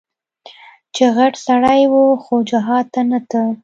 چې غټ سړى و خو جهاد ته نه ته.